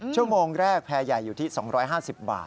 ชั่วโมงแรกแพร่ใหญ่อยู่ที่๒๕๐บาท